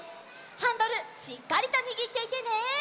ハンドルしっかりとにぎっていてね。